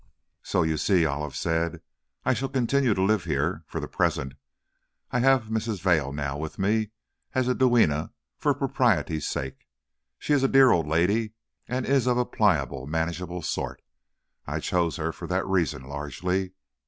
"So you see," Olive said, "I shall continue to live here, for the present. I have Mrs. Vail now with me, as a duenna, for propriety's sake. She is a dear old lady, and is of a pliable, manageable sort. I chose her for that reason, largely.